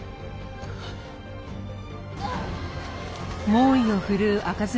猛威を振るう赤面